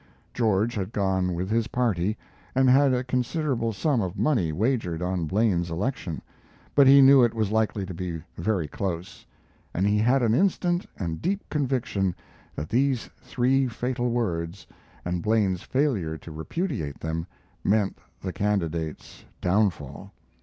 George had gone with his party, and had a considerable sum of money wagered on Blaine's election; but he knew it was likely to be very close, and he had an instant and deep conviction that these three fatal words and Blaine's failure to repudiate them meant the candidate's downfall.